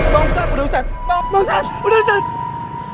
bang ustadz udah ustadz